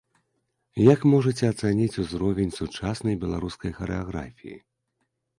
Як можаце ацаніць узровень сучаснай беларускай харэаграфіі?